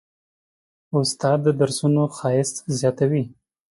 استاد د درسونو ښایست زیاتوي.